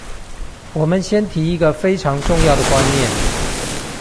我們先提一個非常重要的觀念